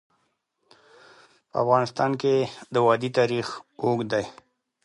په افغانستان کې د وادي تاریخ اوږد دی.